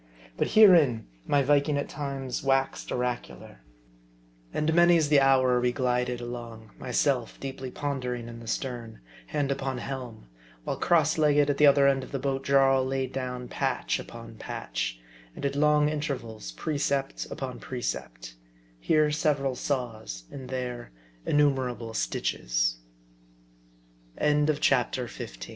But herein my Viking at times waxed oracular. And many's the hour we glided along, myself deeply pondering in the stern, Jiand upon helm ; while crosslegged at the other end of the boat Jarl laid down patch upon patch, and at long intervals pre cept upon precept ; here several saws, and there innumera ble stit